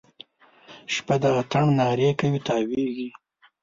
شپه د اتڼ نارې کوي تاویږي